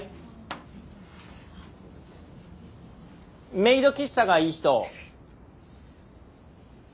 「メイド喫茶」がいい人。